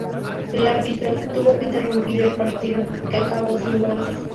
El árbitro tuvo que interrumpir el partido, que acabó sin goles.